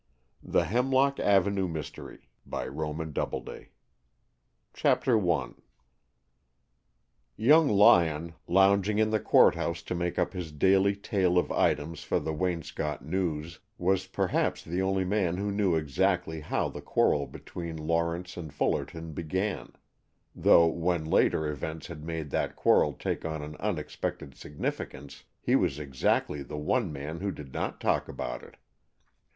The Hemlock Avenue Mystery CHAPTER I Young Lyon, lounging in the Court House to make up his daily tale of items for the Waynscott News, was perhaps the only man who knew exactly how the quarrel between Lawrence and Fullerton began, though, when later events had made that quarrel take on an unexpected significance, he was exactly the one man who did not talk about it.